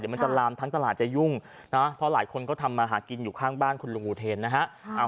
มันจะลามทั้งตลาดจะยุ่งนะเพราะหลายคนก็ทำมาหากินอยู่ข้างบ้านคุณลุงอุเทนนะฮะ